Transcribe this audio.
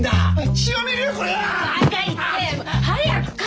血を見るよこりゃ！